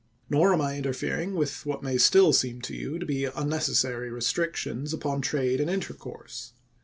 Nor am I interfering with what may stiU seem to you to be necessary restric tions upon trade and intercourse.